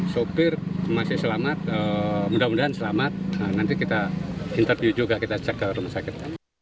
sopir masih selamat mudah mudahan selamat nanti kita interview juga kita cek ke rumah sakit